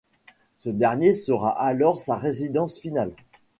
Ce dernier sera alors sa résidence finale.